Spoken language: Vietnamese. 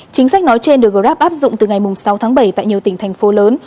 chính sách nói trên được grab áp dụng từ ngày sáu tháng bảy tại nhiều tỉnh thành phố lớn